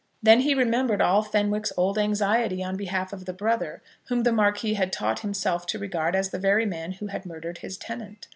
Then he remembered all Fenwick's old anxiety on behalf of the brother, whom the Marquis had taught himself to regard as the very man who had murdered his tenant.